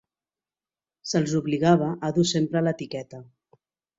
Se'ls obligava a dur sempre l'etiqueta.